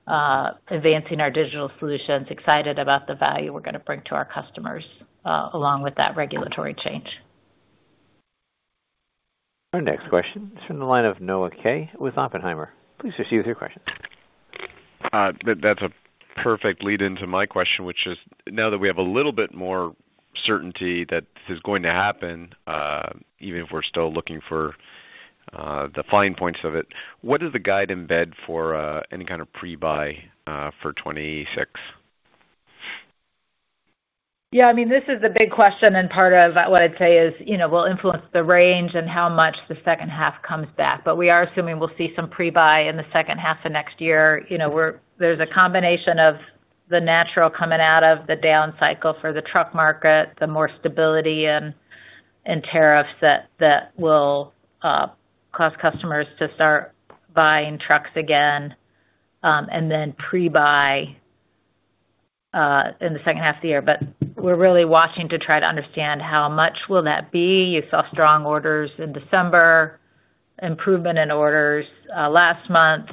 advancing our digital solutions. Excited about the value we're going to bring to our customers along with that regulatory change. Our next question's from the line of Noah Kaye with Oppenheimer. Please proceed with your question. That's a perfect lead-in to my question, which is now that we have a little bit more certainty that this is going to happen, even if we're still looking for the fine points of it, what does the guide embed for any kind of pre-buy for 2026? Yeah. I mean, this is the big question. And part of what I'd say is we'll influence the range and how much the second half comes back. But we are assuming we'll see some pre-buy in the second half of next year. There's a combination of the natural coming out of the down cycle for the truck market, the more stability in tariffs that will cause customers to start buying trucks again, and then pre-buy in the second half of the year. But we're really watching to try to understand how much will that be? You saw strong orders in December, improvement in orders last month.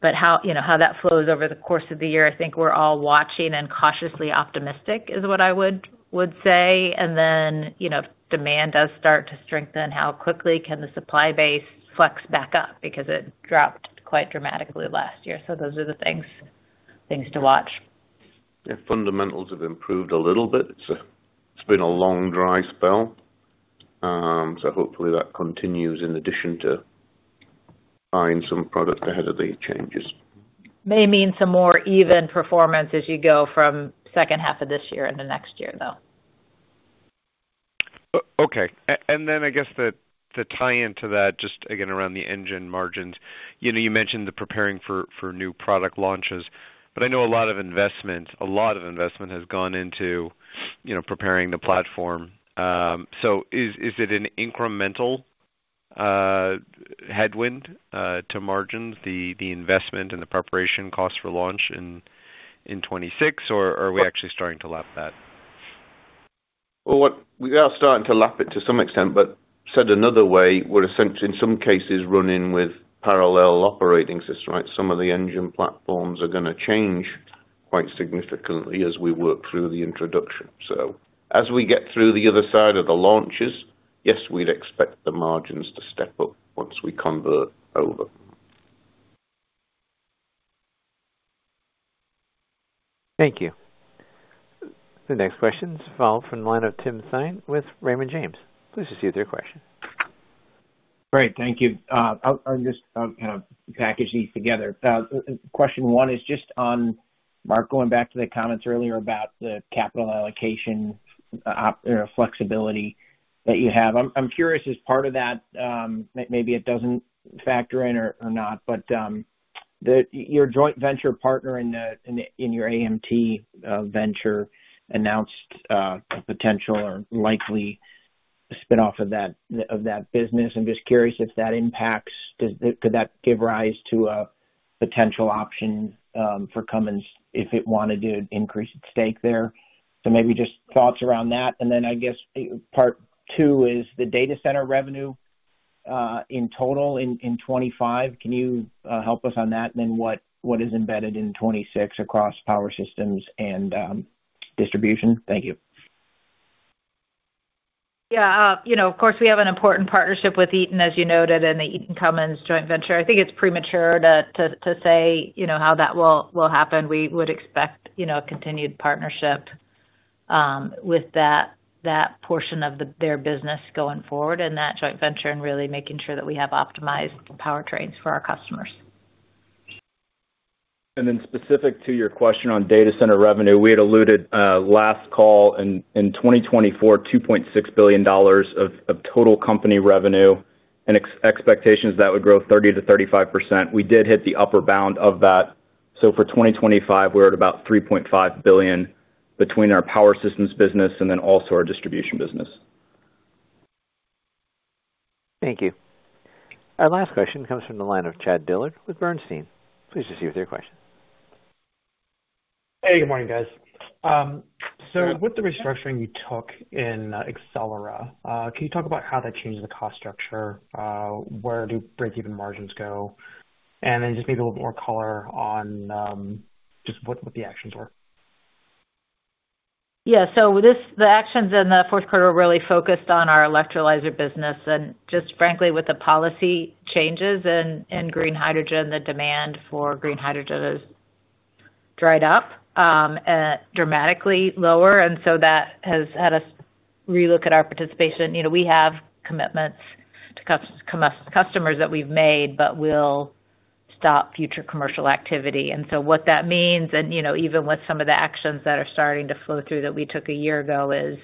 But how that flows over the course of the year, I think we're all watching and cautiously optimistic is what I would say. Then if demand does start to strengthen, how quickly can the supply base flex back up because it dropped quite dramatically last year? Those are the things to watch. Yeah. Fundamentals have improved a little bit. It's been a long, dry spell. So hopefully, that continues in addition to buying some product ahead of the changes. May mean some more even performance as you go from second half of this year into next year, though. Okay. And then I guess to tie into that, just again around the engine margins, you mentioned the preparing for new product launches. But I know a lot of investment has gone into preparing the platform. So is it an incremental headwind to margins, the investment and the preparation cost for launch in 2026, or are we actually starting to lap that? Well, we are starting to lap it to some extent. But said another way, we're essentially, in some cases, running with parallel operating systems, right? Some of the engine platforms are going to change quite significantly as we work through the introduction. So as we get through the other side of the launches, yes, we'd expect the margins to step up once we convert over. Thank you. The next question's followed from the line of Tim Thein with Raymond James. Please proceed with your question. Great. Thank you. I'll just kind of package these together. Question one is just on Mark, going back to the comments earlier about the capital allocation flexibility that you have. I'm curious, as part of that, maybe it doesn't factor in or not, but your joint venture partner in your AMT venture announced a potential or likely spinoff of that business. I'm just curious if that impacts could that give rise to a potential option for Cummins if it wanted to increase its stake there? So maybe just thoughts around that. And then I guess part two is the data center revenue in total in 2025. Can you help us on that? And then what is embedded in 2026 across power systems and distribution? Thank you. Yeah. Of course, we have an important partnership with Eaton, as you noted, and the Eaton-Cummins joint venture. I think it's premature to say how that will happen. We would expect a continued partnership with that portion of their business going forward in that joint venture and really making sure that we have optimized powertrains for our customers. And then specific to your question on data center revenue, we had alluded last call in 2024, $2.6 billion of total company revenue and expectations that would grow 30%-35%. We did hit the upper bound of that. So for 2025, we're at about $3.5 billion between our power systems business and then also our distribution business. Thank you. Our last question comes from the line of Chad Dillard with Bernstein. Please proceed with your question. Hey. Good morning, guys. With the restructuring you took in Accelera, can you talk about how that changed the cost structure? Where do break-even margins go? Then just maybe a little bit more color on just what the actions were. Yeah. So the actions in the fourth quarter were really focused on our electrolyzer business. And just frankly, with the policy changes in green hydrogen, the demand for green hydrogen has dried up dramatically lower. And so that has had us relook at our participation. We have commitments to customers that we've made, but we'll stop future commercial activity. And so what that means, and even with some of the actions that are starting to flow through that we took a year ago, is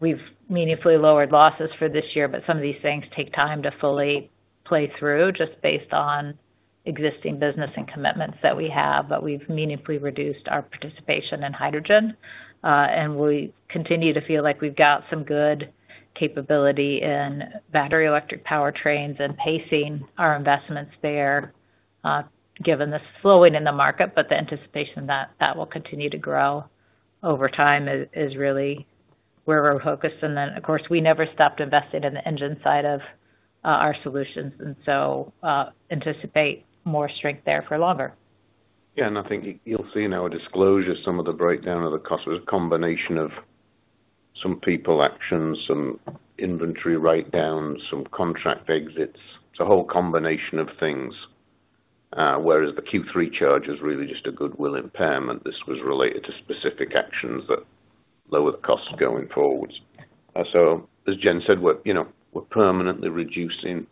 we've meaningfully lowered losses for this year. But some of these things take time to fully play through just based on existing business and commitments that we have. But we've meaningfully reduced our participation in hydrogen. And we continue to feel like we've got some good capability in battery electric powertrains and pacing our investments there given the slowing in the market. But the anticipation that that will continue to grow over time is really where we're focused. And then, of course, we never stopped investing in the engine side of our solutions. And so anticipate more strength there for longer. Yeah. And I think you'll see now a disclosure, some of the breakdown of the cost was a combination of some people actions, some inventory write-downs, some contract exits. It's a whole combination of things. Whereas the Q3 charge is really just a goodwill impairment. This was related to specific actions that lower the costs going forward. So as Jen said, we're permanently reducing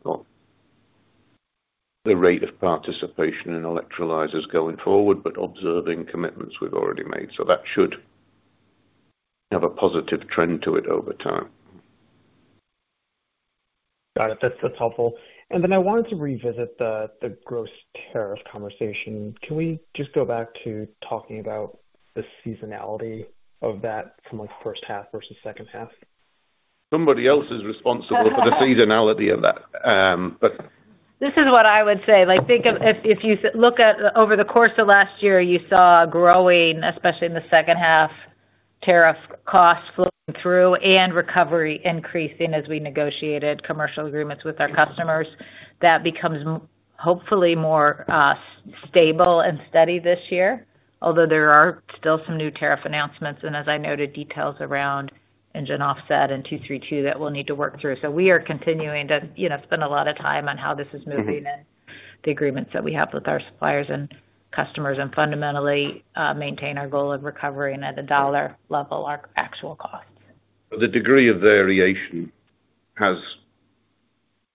the rate of participation in electrolyzers going forward but observing commitments we've already made. So that should have a positive trend to it over time. Got it. That's helpful. And then I wanted to revisit the gross tariff conversation. Can we just go back to talking about the seasonality of that from first half versus second half? Somebody else is responsible for the seasonality of that. This is what I would say. Think of it if you look at over the course of last year, you saw growing, especially in the second half, tariff costs flowing through and recovery increasing as we negotiated commercial agreements with our customers. That becomes hopefully more stable and steady this year, although there are still some new tariff announcements. And as I noted, details around engine offset and 232 that we'll need to work through. So we are continuing to spend a lot of time on how this is moving and the agreements that we have with our suppliers and customers and fundamentally maintain our goal of recovering at a dollar level our actual costs. The degree of variation has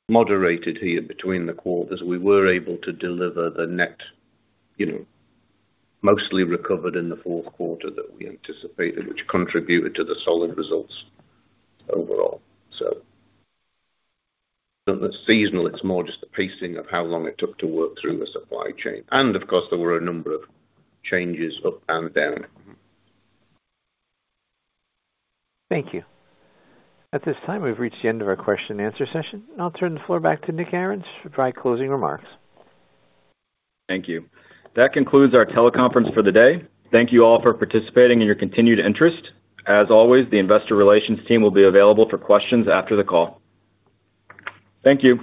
moderated here between the quarters. We were able to deliver the net mostly recovered in the fourth quarter that we anticipated, which contributed to the solid results overall. So, seasonal, it's more just the pacing of how long it took to work through a supply chain. Of course, there were a number of changes up and down. Thank you. At this time, we've reached the end of our question-and-answer session. I'll turn the floor back to Nick Arens for closing remarks. Thank you. That concludes our teleconference for the day. Thank you all for participating and your continued interest. As always, the investor relations team will be available for questions after the call. Thank you.